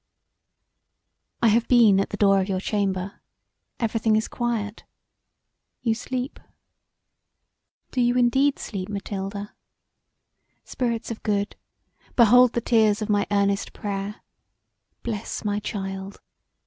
["]I have been at the door of your chamber: every thing is silent. You sleep. Do you indeed sleep, Mathilda? Spirits of Good, behold the tears of my earnest prayer! Bless my child!